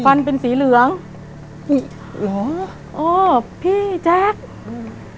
ฟันเป็นสีเหลืองหรออ๋อพี่แจ๊กอืม